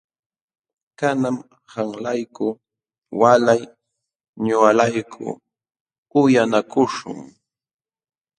Kanan qamlayku walay ñuqalayku uyanakuśhun.